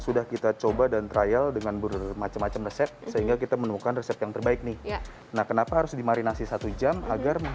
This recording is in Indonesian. sudah kita coba dan trial dengan bermacam macam resep sehingga kita menemukan resep yang terbaik nih nah kenapa harus dimarinasi sama dengan bumbu bumbu yang sudah muda ya